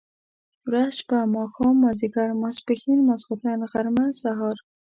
ورځ، شپه ،ماښام، ماځيګر، ماسپښن ، ماخوستن ، غرمه ،سهار،